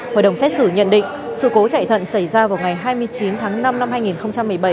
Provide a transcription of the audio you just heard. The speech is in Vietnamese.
hội đồng xét xử nhận định sự cố chạy thận xảy ra vào ngày hai mươi chín tháng năm năm hai nghìn một mươi bảy